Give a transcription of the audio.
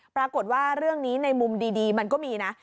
ปรากฏว่าเรื่องนี้ในมุมดีมันก็มีนะ